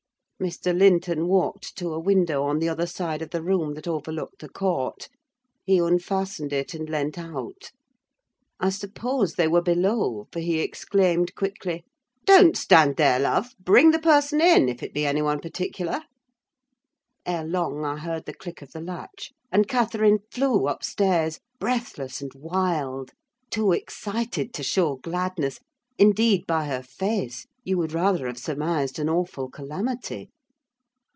Mr. Linton walked to a window on the other side of the room that overlooked the court. He unfastened it, and leant out. I suppose they were below, for he exclaimed quickly: "Don't stand there, love! Bring the person in, if it be anyone particular." Ere long, I heard the click of the latch, and Catherine flew upstairs, breathless and wild; too excited to show gladness: indeed, by her face, you would rather have surmised an awful calamity.